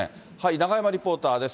中山リポーターです。